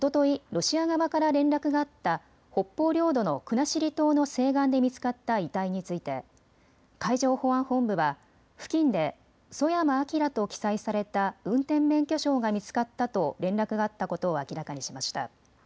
ロシア側から連絡があった北方領土の国後島の西岸で見つかった遺体について海上保安本部は付近で曽山聖と記載された運転免許証が見つかったと連絡があったことを明らかにしました。